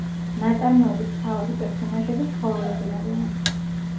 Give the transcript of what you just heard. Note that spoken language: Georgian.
ნაწარმოების მთავარი პერსონაჟები ცხოველები არიან.